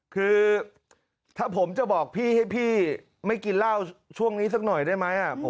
คือถ้าผมจะบอกพี่ให้พี่ไม่กินเหล้าช่วงนี้สักหน่อยได้ไหม